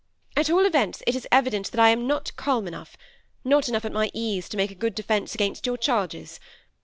At all events, it is evident that I am not calm enough ; not enough at my ease to make a good defence against your charges.